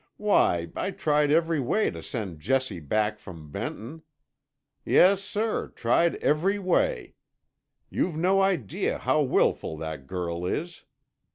Why, I tried every way to send Jessie back from Benton. Yes, sir, tried every way. You've no idea how wilful that girl is."